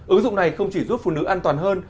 ứng dụng này không chỉ giúp phụ nữ an toàn hơn